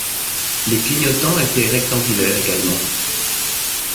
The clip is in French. Les clignotants étaient rectangulaires également.